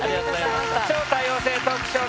「超多様性トークショー！